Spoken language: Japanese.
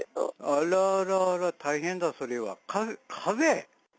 あらあら、大変だ、それは。かぜ？